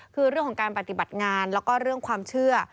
คือเรื่องของการปฏิบัติงานแล้วก็เรื่องความเชื่อ